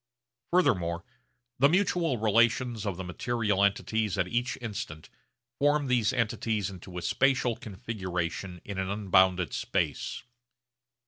Furthermore the mutual relations of the material entities at each instant formed these entities into a spatial configuration in an unbounded space.